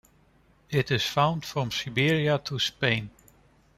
It is found from Siberia to Spain.